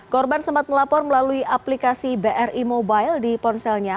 korban sempat melapor melalui aplikasi bri mobile di ponselnya